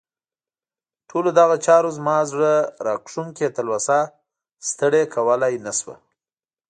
ټولو دغو چارو زما زړه راښکونکې تلوسه ستړې کولای نه شوه.